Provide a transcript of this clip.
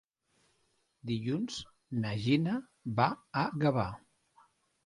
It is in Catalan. Dilluns na Gina va a Gavà.